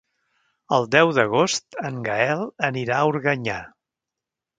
El deu d'agost en Gaël anirà a Organyà.